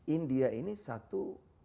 india ini satu